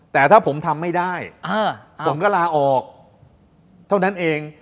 แต่ถ้าผมทำไม่ได้ผมก็ลาออกเท่านั้นเอง